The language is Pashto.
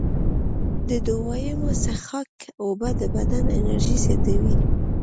د دویمې څښاک اوبه د بدن انرژي زیاتوي.